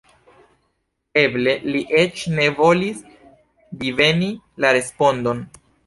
Eble li eĉ ne volis diveni la respondon.